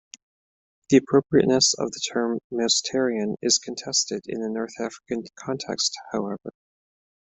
The appropriateness of the term Mousterian is contested in a North African context, however.